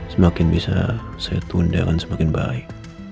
semakin bisa saya tunda akan semakin baik